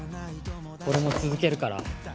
俺も続けるから